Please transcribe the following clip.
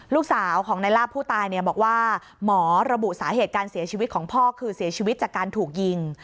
ลูกสาวของในลาบผู้ตายเนี่ยบอกว่าหมอระบุสาเหตุการเสียชีวิตของพ่อคือเสียชีวิตจากการถูกยิง